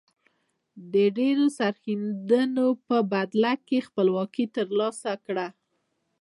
د ډیرو سرښندنو په بدله کې خپلواکي تر لاسه کړه.